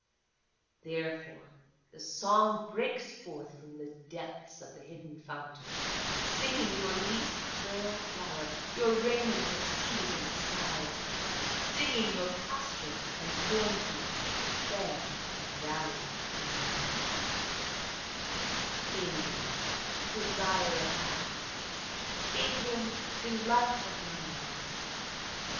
Therefore the song breaks forth from the depths of the hidden fountain Singing your least frail flower, your raiment of seas and skies, Singing your pasture and cornfield, fen and valley and mountain, England, desire of my heart, England, delight of mine eyes!